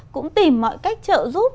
cũng tìm mọi cách trợ giúp